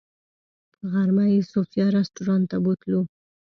غرمه یې صوفیا رسټورانټ ته بوتلو.